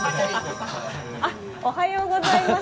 おはようございます。